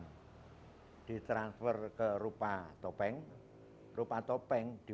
j dvr hasilnya berpikir seperti ini